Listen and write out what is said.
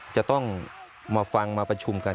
จะต้องมาฟังมาประชุมกัน